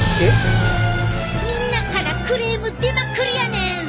みんなからクレーム出まくりやねん！